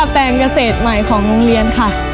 แปลงเกษตรใหม่ของโรงเรียนค่ะ